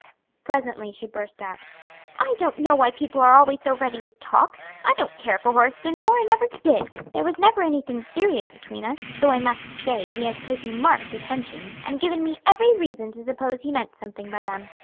Presently she burst out, "I don't know why people are always so ready to talk! I don't care for Horace Dinsmore, and never did! There was never anything serious between us, though I must say he has paid me marked attentions, and given me every reason to suppose he meant something by them.